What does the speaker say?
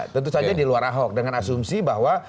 tentu saja di luar ahok dengan asumsi bahwa